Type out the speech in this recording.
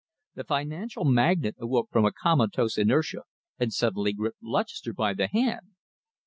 The financial magnate awoke from a comatose inertia and suddenly gripped Lutchester by the hand.